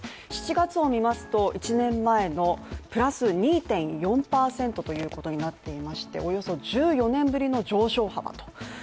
７月を見ますと、１年前のプラス２．４％ということになっていましておよそ１４年ぶりの上昇幅と。